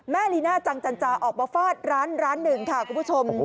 ลีน่าจังจันจาออกมาฟาดร้านร้านหนึ่งค่ะคุณผู้ชม